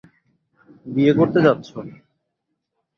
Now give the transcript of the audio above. বিয়ে করতে যাচ্ছো।